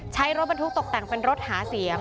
ใช้รถบรรทุกตกแต่งเป็นรถหาเสียง